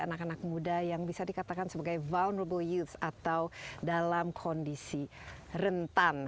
anak anak muda yang bisa dikatakan sebagai vulnerable youth atau dalam kondisi rentan